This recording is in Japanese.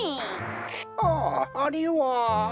あああれは。